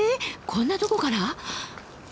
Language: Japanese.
こんなとこから？